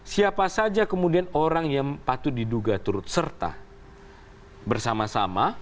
siapa saja kemudian orang yang patut diduga turut serta bersama sama